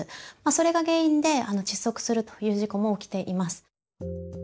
それが原因で窒息するという事故も起きています。